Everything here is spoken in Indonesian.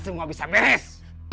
semua bisa meres